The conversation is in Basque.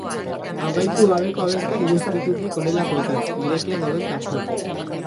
Amaitu gabeko abestiak ikusten ditut nik honelakoetan, irekiak dauden kantuak.